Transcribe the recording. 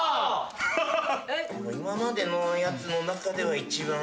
今までのやつの中では一番言えそう。